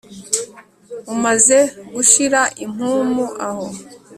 umaze gushira impumu aho